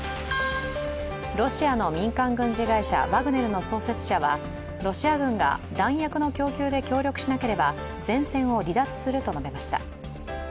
ロシアの民間軍事会社、ワグネルの創設者はロシア軍が弾薬の供給で協力しなければ前線を離脱すると述べました。